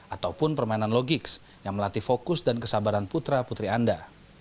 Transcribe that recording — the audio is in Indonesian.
ataupun permainan logiks yang melatih fokus dan kesabaran putra putri anda